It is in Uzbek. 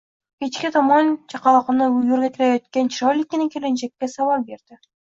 Kechga tomon chaqaloqni yo`rgaklayotgan chiroylikkina kelinchakka savol berdi